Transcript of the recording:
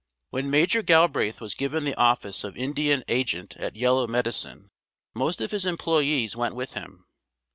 When Major Galbraith was given the office of Indian Agent at Yellow Medicine, most of his employees went with him.